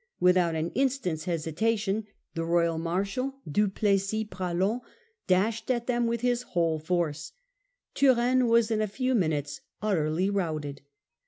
*5*1650. Without an instant's hesitation the royal marshal, Du Plessis Praslin, dashed at them with his whole force. Turenne was in a few minutes utterly routed.